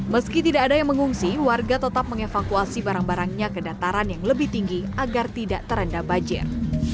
meski tidak ada yang mengungsi warga tetap mengevakuasi barang barangnya ke dataran yang lebih tinggi agar tidak terendam banjir